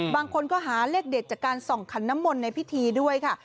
บางคนก็หาเลขเด็ดจากการส่องขันน้ำมนต์ในพิธีด้วยค่ะ